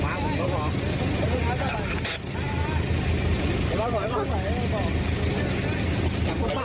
พอเลยก่อน